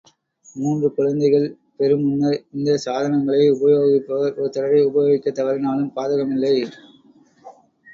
மூன்று குழந்தைகள் பெறு முன்னர் இந்தச் சாதனங்களை உபயோகிப்பவர் ஒரு தடவை உபயோகிக்கத் தவறினாலும் பாதகமில்லை.